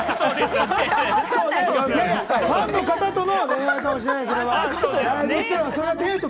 ファンの方との恋愛かもしれない。